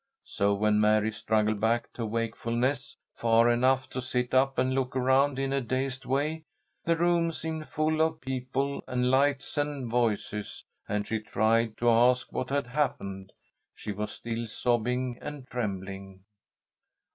So when Mary struggled back to wakefulness far enough to sit up and look around in a dazed way, the room seemed full of people and lights and voices, and she tried to ask what had happened. She was still sobbing and trembling.